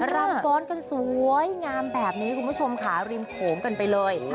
รำบอนสวยงามแบบนี้คุณผู้ชมขาบริมโขมกันไปเลย